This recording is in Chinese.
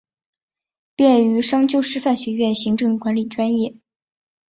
毕业于商丘师范学院行政管理专业。